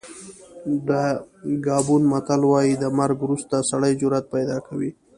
د ګابون متل وایي د مرګ وروسته سړی جرأت پیدا کوي.